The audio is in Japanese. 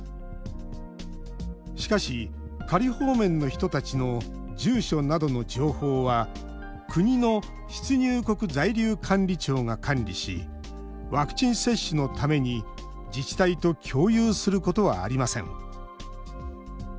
しかし、仮放免の人たちの住所などの情報は国の出入国在留管理庁が管理しワクチン接種のために自治体と共有することはありません。